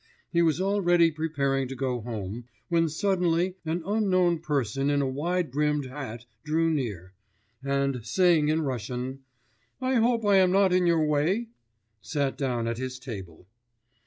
He was already preparing to go home, when suddenly an unknown person in a wide brimmed hat drew near, and saying in Russian: 'I hope I am not in your way?' sat down at his table.